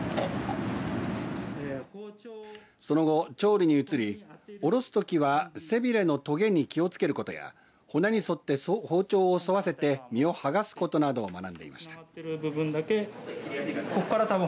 その後、調理に移りおろすときは、背びれのとげに気をつけることや骨に沿って包丁をそわせて身を剥がすことなどを学んでいました。